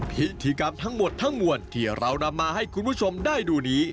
พิธีกรรมทั้งหมดทั้งมวลที่เรานำมาให้คุณผู้ชมได้ดูนี้